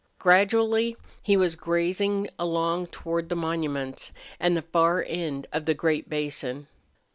Gradually he was grazing along toward the monuments and the far end of the great basin.